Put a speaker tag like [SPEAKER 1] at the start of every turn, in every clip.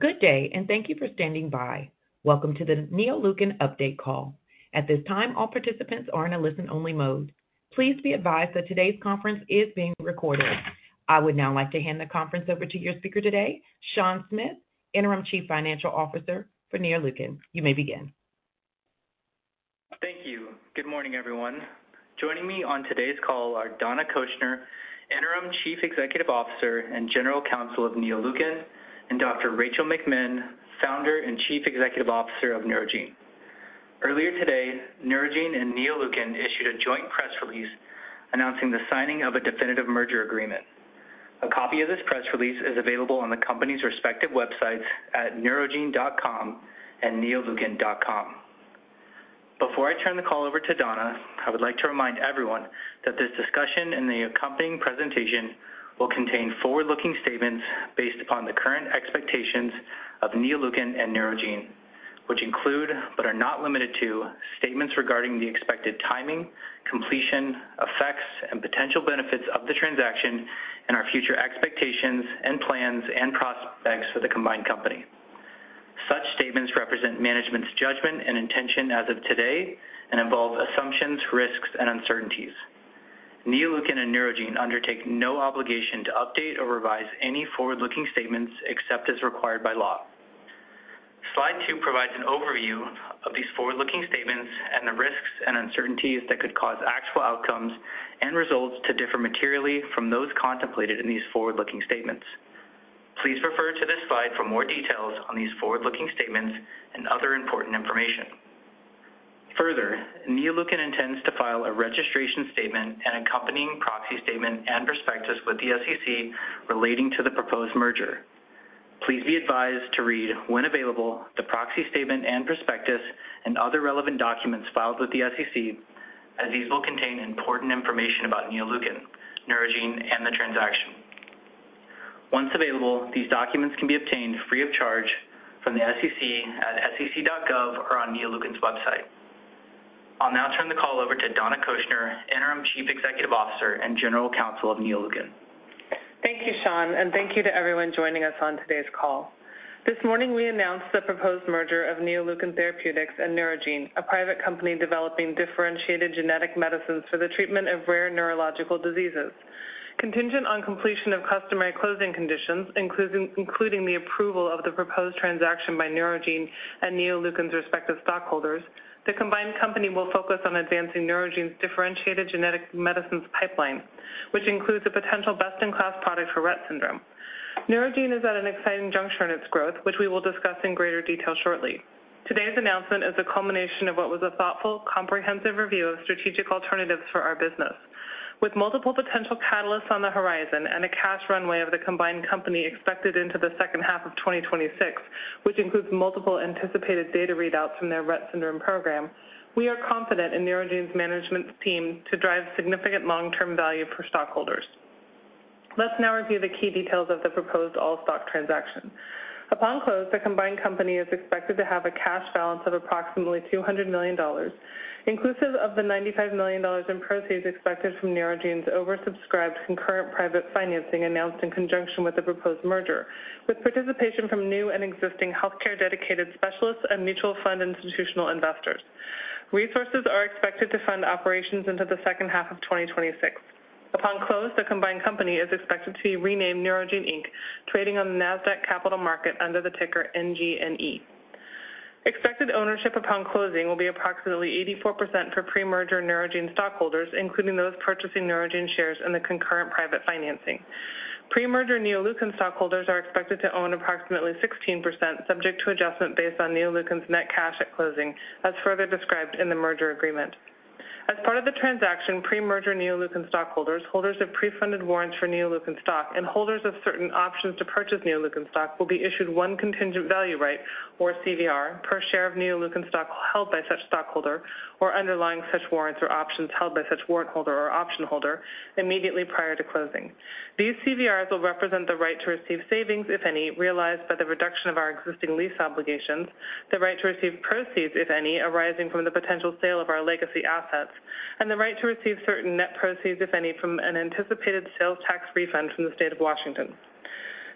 [SPEAKER 1] Good day, and thank you for standing by. Welcome to the Neoleukin Update Call. At this time, all participants are in a listen-only mode. Please be advised that today's conference is being recorded. I would now like to hand the conference over to your speaker today, Sean Smith, Interim Chief Financial Officer for Neoleukin. You may begin.
[SPEAKER 2] Thank you. Good morning, everyone. Joining me on today's call are Donna Cochener, Interim Chief Executive Officer and General Counsel of Neoleukin, and Dr. Rachel McMinn, Founder and Chief Executive Officer of Neurogene. Earlier today, Neurogene and Neoleukin issued a joint press release announcing the signing of a definitive merger agreement. A copy of this press release is available on the company's respective websites at neurogene.com and neoleukin.com. Before I turn the call over to Donna, I would like to remind everyone that this discussion and the accompanying presentation will contain forward-looking statements based upon the current expectations of Neoleukin and Neurogene, which include, but are not limited to, statements regarding the expected timing, completion, effects, and potential benefits of the transaction and our future expectations and plans and prospects for the combined company. Such statements represent management's judgment and intention as of today and involve assumptions, risks, and uncertainties. Neoleukin and Neurogene undertake no obligation to update or revise any forward-looking statements except as required by law. Slide two provides an overview of these forward-looking statements and the risks and uncertainties that could cause actual outcomes and results to differ materially from those contemplated in these forward-looking statements. Please refer to this slide for more details on these forward-looking statements and other important information. Further, Neoleukin intends to file a registration statement and accompanying proxy statement and prospectus with the SEC relating to the proposed merger. Please be advised to read, when available, the proxy statement and prospectus and other relevant documents filed with the SEC, as these will contain important information about Neoleukin, Neurogene, and the transaction. Once available, these documents can be obtained free of charge from the SEC at sec.gov or on Neoleukin's website. I'll now turn the call over to Donna Cochener, Interim Chief Executive Officer and General Counsel of Neoleukin.
[SPEAKER 3] Thank you, Sean, and thank you to everyone joining us on today's call. This morning, we announced the proposed merger of Neoleukin Therapeutics and Neurogene, a private company developing differentiated genetic medicines for the treatment of rare neurological diseases. Contingent on completion of customary closing conditions, including the approval of the proposed transaction by Neurogene and Neoleukin's respective stockholders, the combined company will focus on advancing Neurogene's differentiated genetic medicines pipeline, which includes a potential best-in-class product for Rett syndrome. Neurogene is at an exciting juncture in its growth, which we will discuss in greater detail shortly. Today's announcement is a culmination of what was a thoughtful, comprehensive review of strategic alternatives for our business. With multiple potential catalysts on the horizon and a cash runway of the combined company expected into the second half of 2026, which includes multiple anticipated data readouts from their Rett syndrome program, we are confident in Neurogene's management team to drive significant long-term value for stockholders. Let's now review the key details of the proposed all-stock transaction. Upon close, the combined company is expected to have a cash balance of approximately $200 million, inclusive of the $95 million in proceeds expected from Neurogene's oversubscribed concurrent private financing announced in conjunction with the proposed merger, with participation from new and existing healthcare-dedicated specialists and mutual fund institutional investors. Resources are expected to fund operations into the second half of 2026. Upon close, the combined company is expected to be renamed Neurogene Inc., trading on the Nasdaq Capital Market under the ticker NGNE. Expected ownership upon closing will be approximately 84% for pre-merger Neurogene stockholders, including those purchasing Neurogene shares in the concurrent private financing. Pre-merger Neoleukin stockholders are expected to own approximately 16%, subject to adjustment based on Neoleukin's net cash at closing, as further described in the merger agreement. As part of the transaction, pre-merger Neoleukin stockholders, holders of pre-funded warrants for Neoleukin stock, and holders of certain options to purchase Neoleukin stock will be issued one contingent value right, or CVR, per share of Neoleukin stock held by such stockholder or underlying such warrants or options held by such warrant holder or option holder immediately prior to closing. These CVRs will represent the right to receive savings, if any, realized by the reduction of our existing lease obligations, the right to receive proceeds, if any, arising from the potential sale of our legacy assets, and the right to receive certain net proceeds, if any, from an anticipated sales tax refund from the state of Washington.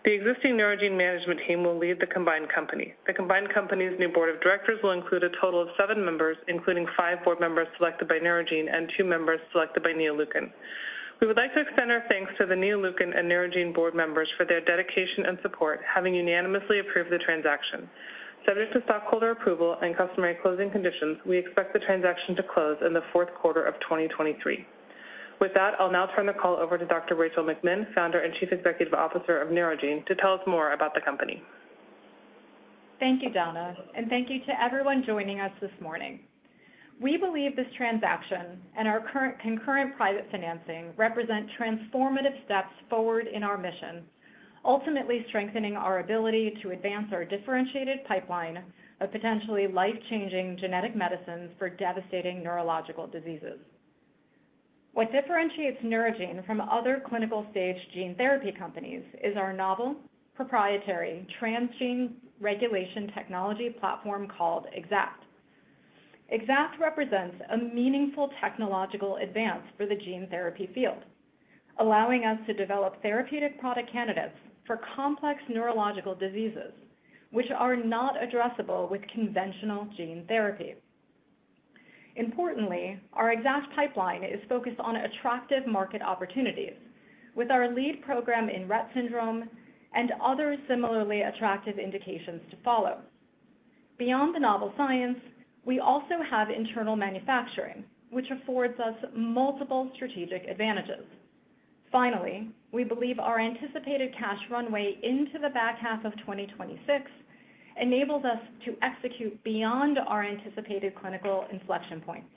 [SPEAKER 3] The existing Neurogene management team will lead the combined company. The combined company's new board of directors will include a total of seven members, including five board members selected by Neurogene and two members selected by Neoleukin. We would like to extend our thanks to the Neoleukin and Neurogene board members for their dedication and support, having unanimously approved the transaction. Subject to stockholder approval and customary closing conditions, we expect the transaction to close in the fourth quarter of 2023. With that, I'll now turn the call over to Dr. Rachel McMinn, Founder and Chief Executive Officer of Neurogene, to tell us more about the company.
[SPEAKER 4] Thank you, Donna, and thank you to everyone joining us this morning. We believe this transaction and our current, concurrent private financing represent transformative steps forward in our mission, ultimately strengthening our ability to advance our differentiated pipeline of potentially life-changing genetic medicines for devastating neurological diseases. What differentiates Neurogene from other clinical-stage gene therapy companies is our novel, proprietary transgene regulation technology platform called EXACT. EXACT represents a meaningful technological advance for the gene therapy field, allowing us to develop therapeutic product candidates for complex neurological diseases, which are not addressable with conventional gene therapy. Importantly, our EXACT pipeline is focused on attractive market opportunities, with our lead program in Rett syndrome and other similarly attractive indications to follow. Beyond the novel science, we also have internal manufacturing, which affords us multiple strategic advantages. Finally, we believe our anticipated cash runway into the back half of 2026 enables us to execute beyond our anticipated clinical inflection points.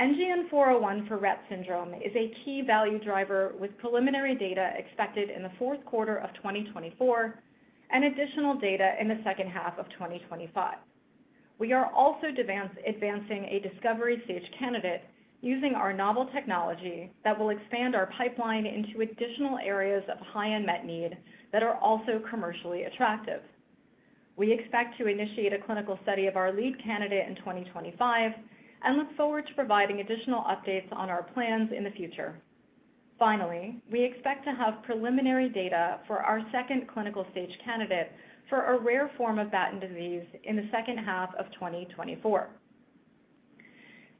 [SPEAKER 4] NGN-401 for Rett syndrome is a key value driver, with preliminary data expected in the 4th quarter of 2024, and additional data in the second half of 2025. We are also advancing a discovery-stage candidate using our novel technology that will expand our pipeline into additional areas of high unmet need that are also commercially attractive. We expect to initiate a clinical study of our lead candidate in 2025, and look forward to providing additional updates on our plans in the future. Finally, we expect to have preliminary data for our second clinical stage candidate for a rare form of Batten disease in the second half of 2024.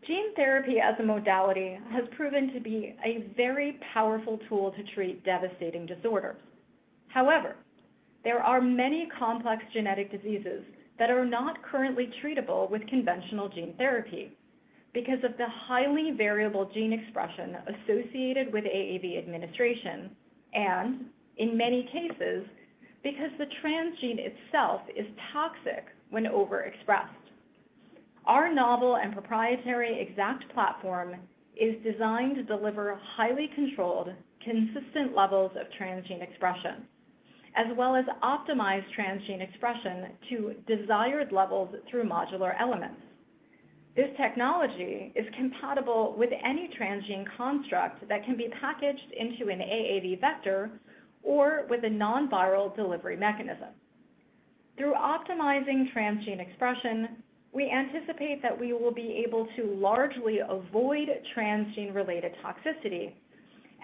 [SPEAKER 4] Gene therapy as a modality has proven to be a very powerful tool to treat devastating disorders. However, there are many complex genetic diseases that are not currently treatable with conventional gene therapy because of the highly variable gene expression associated with AAV administration, and in many cases, because the transgene itself is toxic when overexpressed. Our novel and proprietary EXACT platform is designed to deliver highly controlled, consistent levels of transgene expression, as well as optimize transgene expression to desired levels through modular elements. This technology is compatible with any transgene construct that can be packaged into an AAV vector or with a non-viral delivery mechanism. Through optimizing transgene expression, we anticipate that we will be able to largely avoid transgene-related toxicity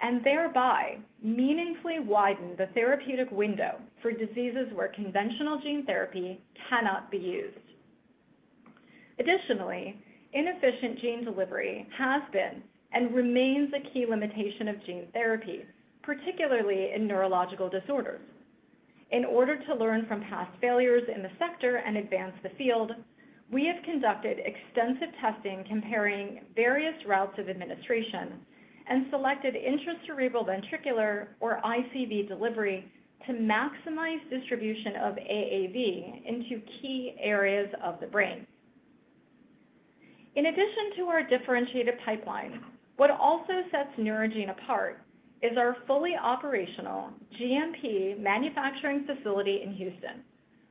[SPEAKER 4] and thereby meaningfully widen the therapeutic window for diseases where conventional gene therapy cannot be used. Additionally, inefficient gene delivery has been and remains a key limitation of gene therapy, particularly in neurological disorders. In order to learn from past failures in the sector and advance the field, we have conducted extensive testing comparing various routes of administration and selected intracerebroventricular, or ICV, delivery to maximize distribution of AAV into key areas of the brain. In addition to our differentiated pipeline, what also sets Neurogene apart is our fully operational GMP manufacturing facility in Houston,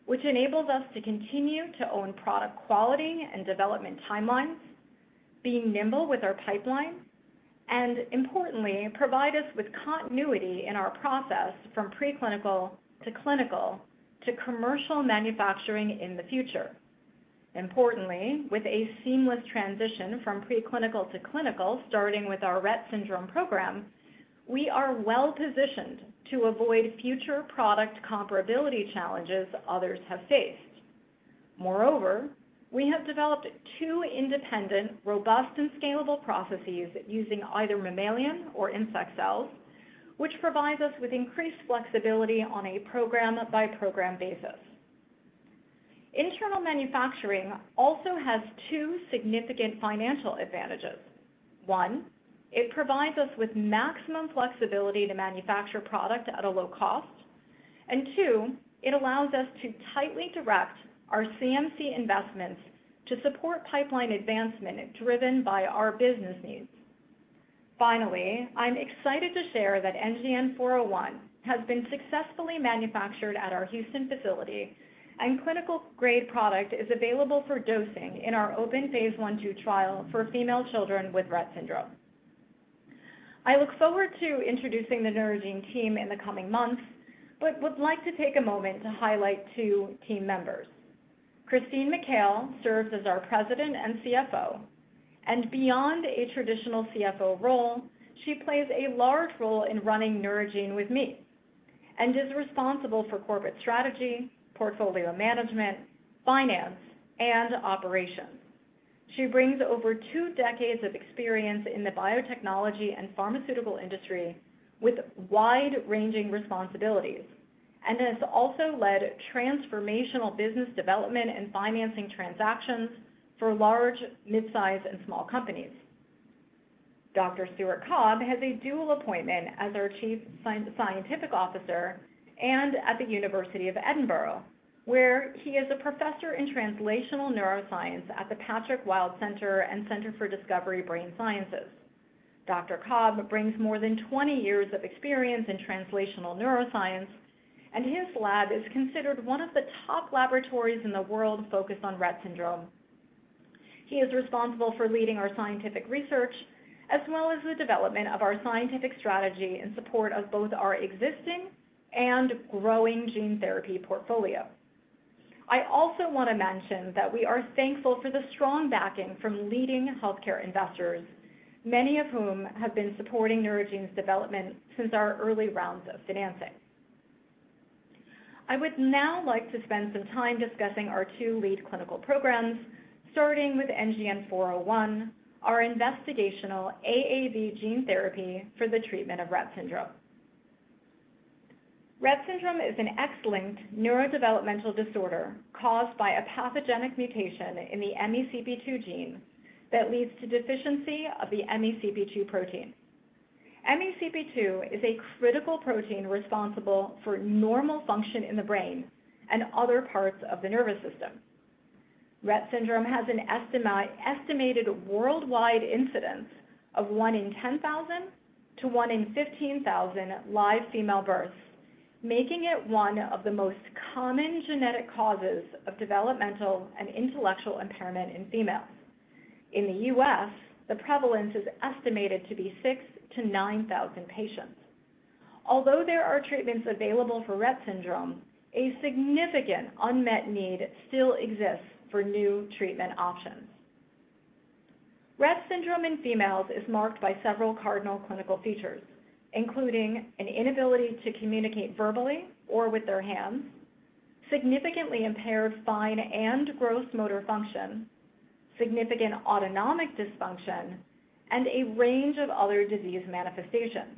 [SPEAKER 4] which enables us to continue to own product quality and development timelines, be nimble with our pipeline, and, importantly, provide us with continuity in our process from preclinical to clinical to commercial manufacturing in the future. Importantly, with a seamless transition from preclinical to clinical, starting with our Rett syndrome program, we are well-positioned to avoid future product comparability challenges others have faced. We have developed two independent, robust, and scalable processes using either mammalian or insect cells, which provides us with increased flexibility on a program-by-program basis. Internal manufacturing also has two significant financial advantages. One, it provides us with maximum flexibility to manufacture products at a low cost, and two, it allows us to tightly direct our CMC investments to support pipeline advancement driven by our business needs. I'm excited to share that NGN-401 has been successfully manufactured at our Houston facility, and the clinical-grade product is available for dosing in our open phase 1/2 trial for female children with Rett syndrome. I look forward to introducing the Neurogene team in the coming months, but would like to take a moment to highlight two team members. Christine Mikail serves as our President and CFO. Beyond a traditional CFO role, she plays a large role in running Neurogene with me and is responsible for corporate strategy, portfolio management, finance, and operations. She brings over two decades of experience in the biotechnology and pharmaceutical industry with wide-ranging responsibilities. Has also led transformational business development and financing transactions for large, mid-size, and small companies. Dr. Stuart Cobb has a dual appointment as our Chief Scientific Officer and at the University of Edinburgh, where he is a Professor in Translational Neuroscience at the Patrick Wild Centre and Centre for Discovery Brain Sciences. Dr. Cobb brings more than 20 years of experience in Translational Neuroscience. His lab is considered one of the top laboratories in the world focused on Rett syndrome. He is responsible for leading our scientific research, as well as the development of our scientific strategy in support of both our existing and growing gene therapy portfolio. I also want to mention that we are thankful for the strong backing from leading healthcare investors, many of whom have been supporting Neurogene's development since our early rounds of financing. I would now like to spend some time discussing our two lead clinical programs, starting with NGN-401, our investigational AAV gene therapy for the treatment of Rett syndrome. Rett syndrome is an X-linked neurodevelopmental disorder caused by a pathogenic mutation in the MECP2 gene that leads to a deficiency of the MECP2 protein. MECP2 is a critical protein responsible for normal function in the brain and other parts of the nervous system. Rett syndrome has an estimated worldwide incidence of 1 in 10,000 to 1 in 15,000 live female births, making it one of the most common genetic causes of developmental and intellectual impairment in females. In the U.S., the prevalence is estimated to be 6,000- 9,000 patients. Although there are treatments available for Rett syndrome, a significant unmet need still exists for new treatment options. Rett syndrome in females is marked by several cardinal clinical features, including an inability to communicate verbally or with their hands, significantly impaired fine and gross motor function, significant autonomic dysfunction, and a range of other disease manifestations.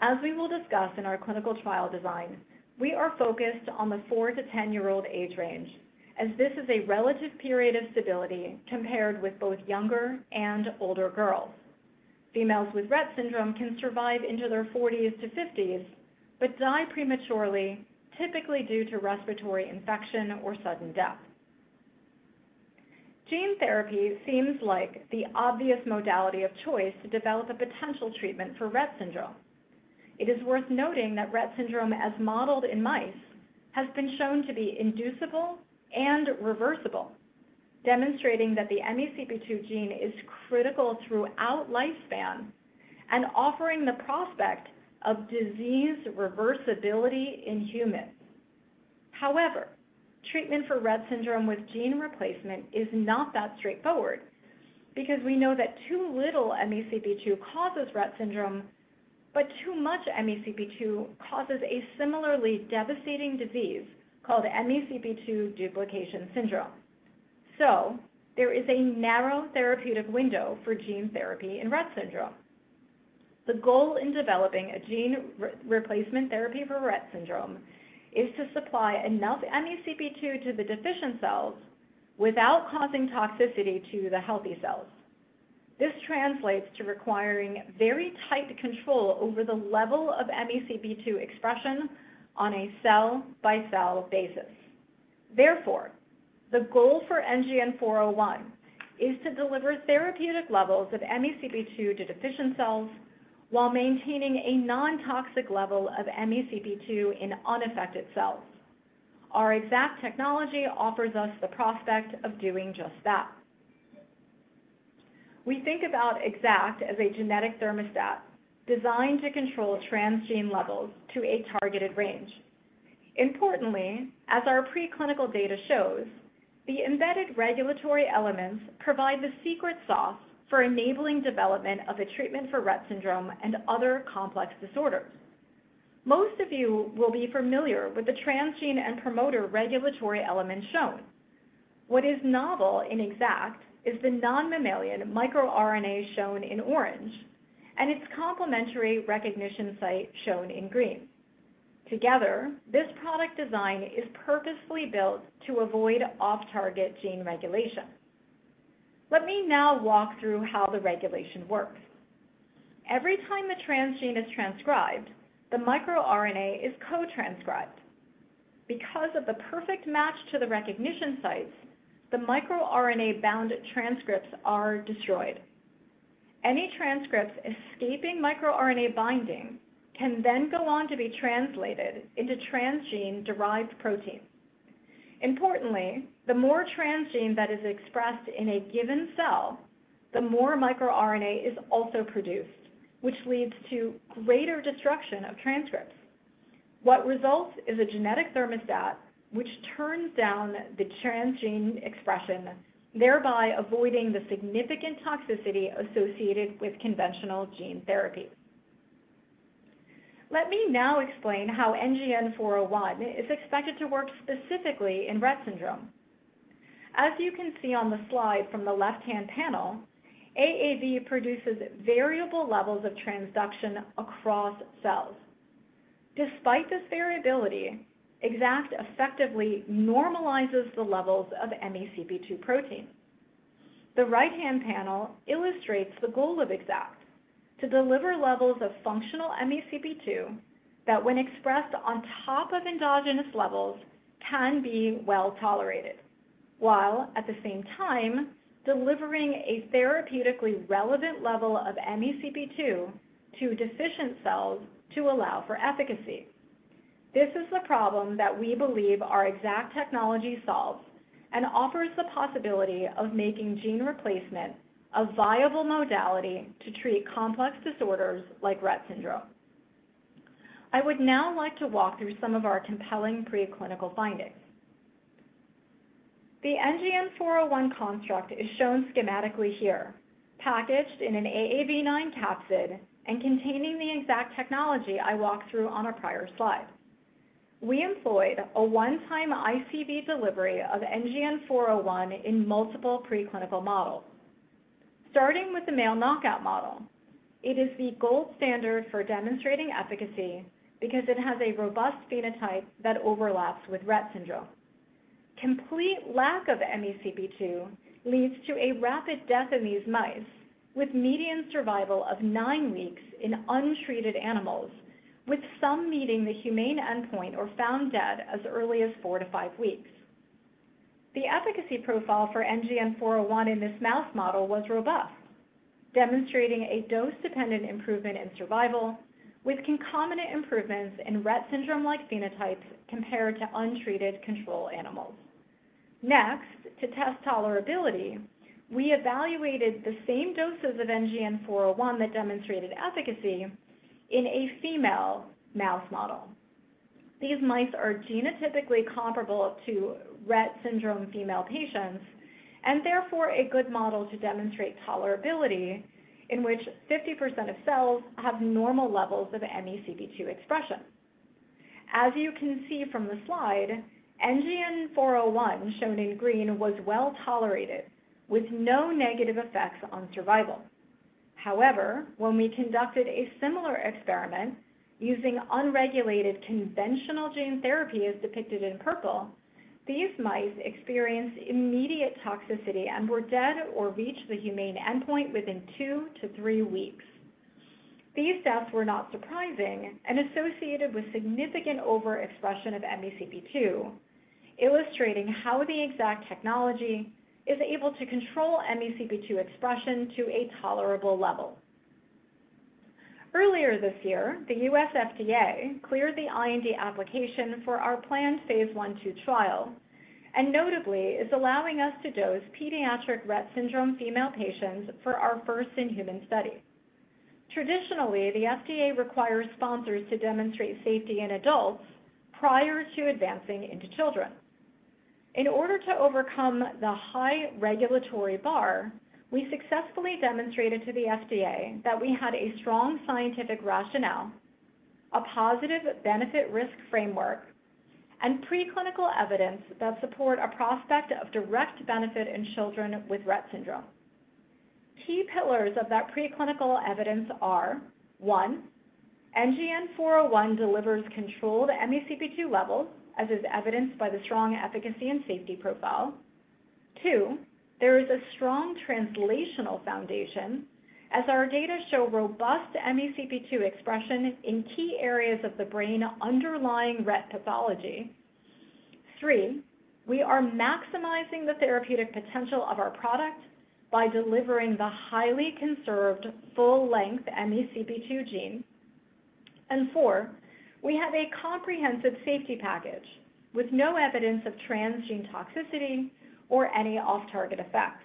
[SPEAKER 4] As we will discuss in our clinical trial design, we are focused on the 4-10-year-old age range, as this is a relatively stable period of stability compared with both younger and older girls. Females with Rett syndrome can survive into their forties to fifties, die prematurely, typically due to respiratory infection or sudden death. Gene therapy seems like the obvious modality of choice to develop a potential treatment for Rett syndrome. It is worth noting that Rett syndrome, as modeled in mice, has been shown to be inducible and reversible, demonstrating that the MECP2 gene is critical throughout lifespan and offering the prospect of disease reversibility in humans. However, treatment for Rett syndrome with gene replacement is not that straightforward, because we know that too little MECP2 causes Rett syndrome, but too much MECP2 causes a similarly devastating disease called MECP2 duplication syndrome. There is a narrow therapeutic window for gene therapy in Rett syndrome. The goal in developing a gene replacement therapy for Rett syndrome is to supply enough MECP2 to the deficient cells without causing toxicity to the healthy cells. This translates to requiring very tight control over the level of MECP2 expression on a cell-by-cell basis. Therefore, the goal for NGN-401 is to deliver therapeutic levels of MECP2 to deficient cells while maintaining a non-toxic level of MECP2 in unaffected cells. Our EXACT technology offers us the prospect of doing just that. We think about EXACT as a genetic thermostat designed to control transgene levels to a targeted range. Importantly, as our preclinical data show, the embedded regulatory elements provide the secret sauce for enabling the development of a treatment for Rett syndrome and other complex disorders. Most of you will be familiar with the transgene and promoter regulatory elements shown. What is novel and EXACT is the non-mammalian microRNA shown in orange, and its complementary recognition site shown in green. Together, this product design is purposefully built to avoid off-target gene regulation. Let me now walk through how the regulation works. Every time a transgene is transcribed, the microRNA is co-transcribed. Because of the perfect match to the recognition sites, the microRNA-bound transcripts are destroyed. Any transcripts escaping microRNA binding can then go on to be translated into transgene-derived proteins. Importantly, the more transgene that is expressed in a given cell, the more microRNA is also produced, which leads to greater destruction of transcripts. What results is a genetic thermostat, which turns down the transgene expression, thereby avoiding the significant toxicity associated with conventional gene therapy. Let me now explain how NGN-401 is expected to work specifically in Rett syndrome. As you can see on the slide from the left-hand panel, AAV produces variable levels of transduction across cells. Despite this variability, EXACT effectively normalizes the levels of MECP2 protein. The right-hand panel illustrates the goal of EXACT: to deliver levels of functional MECP2 that, when expressed on top of endogenous levels, can be well tolerated, while at the same time delivering a therapeutically relevant level of MECP2 to deficient cells to allow for efficacy. This is the problem that we believe our EXACT technology solves and offers the possibility of making gene replacement a viable modality to treat complex disorders like Rett syndrome. I would now like to walk through some of our compelling preclinical findings. The NGN-401 construct is shown schematically here, packaged in an AAV9 capsid and containing the EXACT technology I walked through on a prior slide. We employed a one-time ICV delivery of NGN-401 in multiple preclinical models. Starting with the male knockout model, it is the gold standard for demonstrating efficacy because it has a robust phenotype that overlaps with Rett syndrome. Complete lack of MECP2 leads to a rapid death in these mice, with a median survival of nine weeks in untreated animals, with some meeting the humane endpoint or found dead as early as four to five weeks. The efficacy profile for NGN-401 in this mouse model was robust, demonstrating a dose-dependent improvement in survival, with concomitant improvements in Rett syndrome-like phenotypes compared to untreated control animals. Next, to test tolerability, we evaluated the same doses of NGN-401 that demonstrated efficacy in a female mouse model. These mice are genotypically comparable to Rett syndrome female patients, therefore a good model to demonstrate tolerability, in which 50% of cells have normal levels of MECP2 expression. As you can see from the slide, NGN-401, shown in green, was well tolerated, with no negative effects on survival. When we conducted a similar experiment using unregulated conventional gene therapy, as depicted in purple, these mice experienced immediate toxicity and died or reached the humane endpoint within 2-3 weeks. These deaths were not surprising and associated with significant overexpression of MECP2, illustrating how the EXACT technology is able to control MECP2 expression to a tolerable level. Earlier this year, the U.S. FDA cleared the IND application for our planned phase 1/2 trial, which, is allowing us to dose pediatric Rett syndrome female patients for our first in human study. Traditionally, the FDA requires sponsors to demonstrate safety in adults prior to advancing into children. In order to overcome the high regulatory bar, we successfully demonstrated to the FDA that we had a strong scientific rationale, a positive benefit-risk framework, and preclinical evidence that support a prospect of direct benefit in children with Rett syndrome. Key pillars of that preclinical evidence are: one, NGN-401 delivers controlled MECP2 levels, as is evidenced by the strong efficacy and safety profile. Two, there is a strong translational foundation, as our data show robust MECP2 expression in key areas of the brain underlying Rett pathology. Three, we are maximizing the therapeutic potential of our product by delivering the highly conserved, full-length MECP2 gene. Four, we have a comprehensive safety package with no evidence of transgene toxicity or any off-target effects.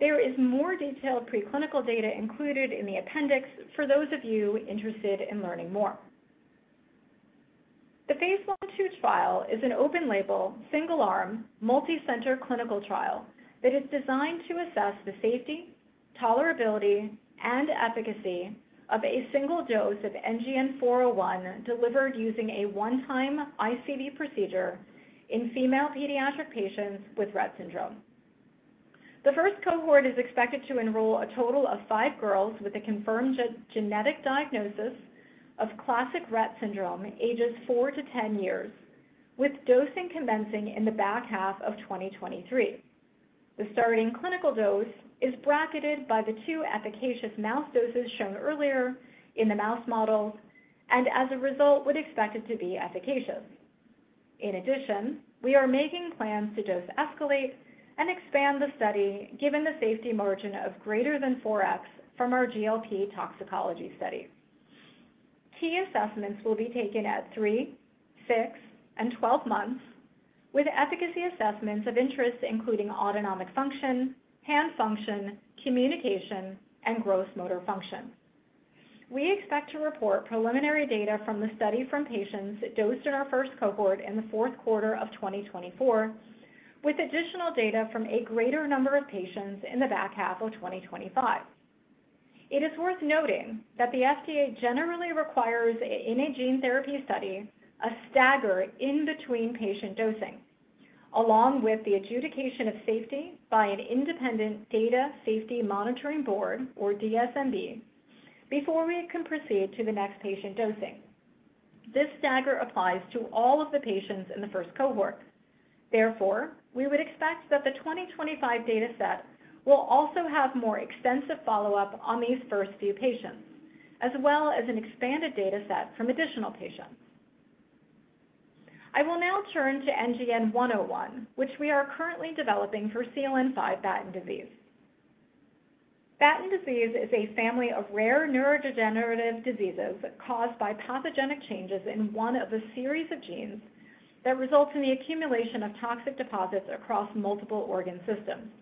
[SPEAKER 4] There is more detailed preclinical data included in the appendix for those of you interested in learning more. The phase 1/2 trial is an open-label, single-arm, multicenter clinical trial that is designed to assess the safety, tolerability, and efficacy of a single dose of NGN-401 delivered using a one-time ICV procedure in female pediatric patients with Rett syndrome. The first cohort is expected to enroll a total of 5 girls with a confirmed genetic diagnosis of classic Rett syndrome, ages 4-10 years, with dosing commencing in the back half of 2023. The starting clinical dose is bracketed by the 2 efficacious mouse doses shown earlier in the mouse model, and as a result, it is expected to be efficacious. In addition, we are making plans to dose escalate and expand the study, given the safety margin of greater than 4x from our GLP toxicology study. Key assessments will be taken at 3, 6, and 12 months, with efficacy assessments of interest including autonomic function, hand function, communication, and gross motor function. We expect to report preliminary data from the study from patients dosed in our first cohort in the fourth quarter of 2024, with additional data from a greater number of patients in the back half of 2025. It is worth noting that the FDA generally requires, in a gene therapy study, a stagger in between patient dosing, along with the adjudication of safety by an independent Data Safety Monitoring Board, or DSMB, before we can proceed to the next patient dosing. This stagger applies to all of the patients in the first cohort. We would expect that the 2025 data set will also have more extensive follow-up on these first few patients, as well as an expanded data set from additional patients. I will now turn to NGN-101, which we are currently developing for CLN5 Batten Disease. Batten Disease is a family of rare neurodegenerative diseases caused by pathogenic changes in one of a series of genes that result in the accumulation of toxic deposits across multiple organ systems.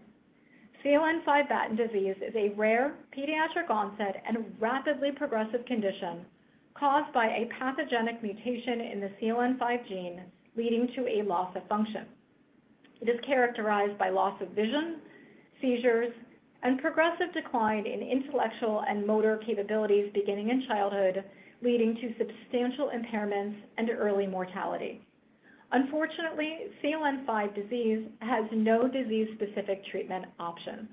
[SPEAKER 4] CLN5 Batten Disease is a rare pediatric-onset and rapidly progressive condition caused by a pathogenic mutation in the CLN5 gene, leading to a loss of function. It is characterized by loss of vision, seizures, and progressive decline in intellectual and motor capabilities beginning in childhood, leading to substantial impairments and early mortality. Unfortunately, CLN5 Disease has no disease-specific treatment option.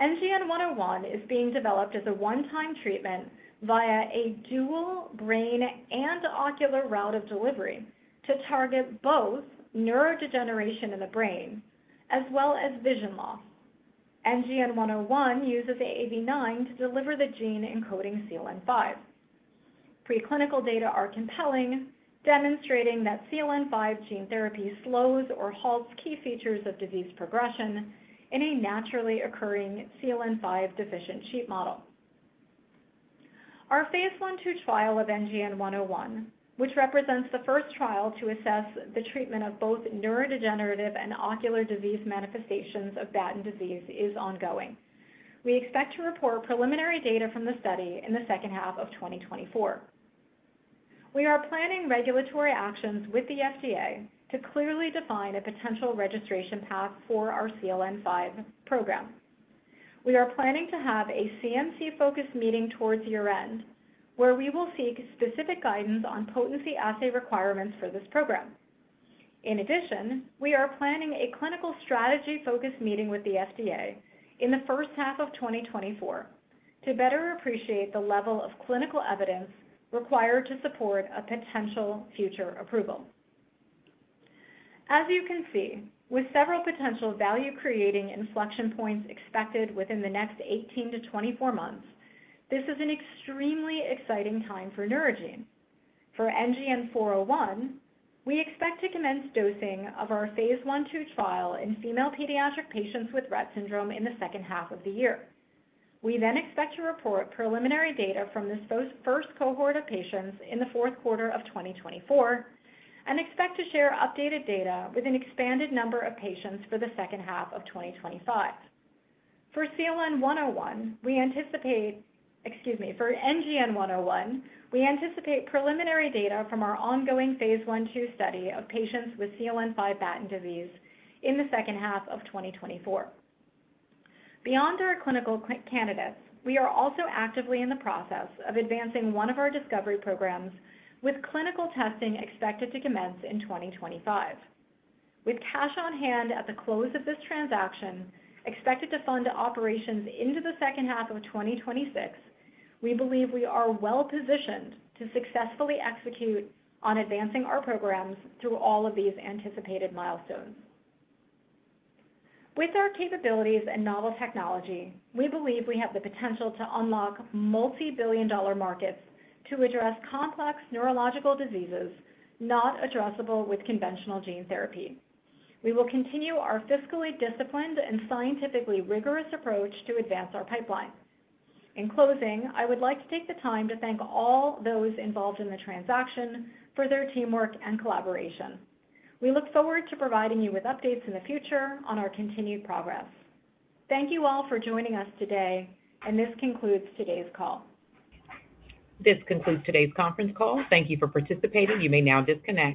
[SPEAKER 4] NGN 101 is being developed as a one-time treatment via a dual brain and ocular route of delivery to target both neurodegeneration in the brain as well as vision loss. NGN 101 uses AAV9 to deliver the gene encoding CLN5. Preclinical data are compelling, demonstrating that CLN5 gene therapy slows or halts key features of disease progression in a naturally occurring CLN5-deficient sheep model. Our phase 1/2 trial of NGN 101, which represents the first trial to assess the treatment of both neurodegenerative and ocular disease manifestations of Batten disease, is ongoing. We expect to report preliminary data from the study in the second half of 2024. We are planning regulatory actions with the FDA to clearly define a potential registration path for our CLN5 program. We are planning to have a CMC-focused meeting towards year-end, where we will seek specific guidance on potency assay requirements for this program. In addition, we are planning a clinical strategy-focused meeting with the FDA in the first half of 2024 to better appreciate the level of clinical evidence required to support a potential future approval. As you can see, with several potential value-creating inflection points expected within the next 18-24 months, this is an extremely exciting time for Neurogene. For NGN-401, we expect to commence dosing of our phase 1/2 trial in female pediatric patients with Rett syndrome in the second half of the year. We then expect to report preliminary data from this first cohort of patients in the fourth quarter of 2024, and expect to share updated data with an expanded number of patients for the second half of 2025. Excuse me, for NGN-101, we anticipate preliminary data from our ongoing phase 1/2 study of patients with CLN5 Batten disease in the second half of 2024. Beyond our clinical candidates, we are also actively in the process of advancing one of our discovery programs, with clinical testing expected to commence in 2025. With cash on hand at the close of this transaction, expected to fund operations into the second half of 2026, we believe we are well-positioned to successfully execute on advancing our programs through all of these anticipated milestones. With our capabilities and novel technology, we believe we have the potential to unlock multi-billion dollar markets to address complex neurological diseases not addressable with conventional gene therapy. We will continue our fiscally disciplined and scientifically rigorous approach to advance our pipeline. In closing, I would like to take the time to thank all those involved in the transaction for their teamwork and collaboration. We look forward to providing you with updates in the future on our continued progress. Thank you all for joining us today, and this concludes today's call.
[SPEAKER 1] This concludes today's conference call. Thank you for participating. You may now disconnect.